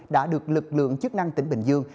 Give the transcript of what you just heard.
đã được lực lượng chức năng tỉnh bình dương